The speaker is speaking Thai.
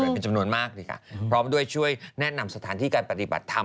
เป็นจำนวนมากเลยค่ะพร้อมด้วยช่วยแนะนำสถานที่การปฏิบัติธรรม